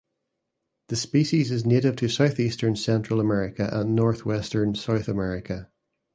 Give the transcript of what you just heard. The species is native to southeastern Central America and northwestern South America.